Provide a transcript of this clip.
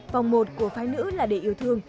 vòng một của phái nữ là để yêu thương